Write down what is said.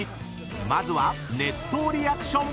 ［まずは熱湯リアクション］